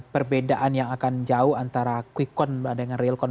perbedaan yang akan jauh antara quick count dengan real con